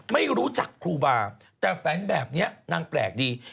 ไม่รู้จักครูบาแต่แฝงแบบนี้นางแปลกดี